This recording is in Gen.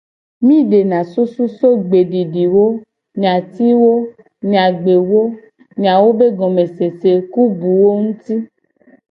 Mi dena susu so gbedidiwo, nyatiwo nyagbewo, nyawo be gomesese, ku buwo nguti.